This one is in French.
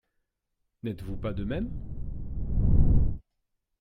N'êtes-vous pas de même?